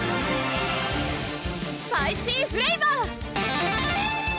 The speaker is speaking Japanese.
スパイシーフレイバー！